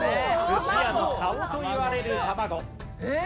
寿司屋の顔といわれるたまご。